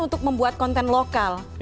untuk membuat konten lokal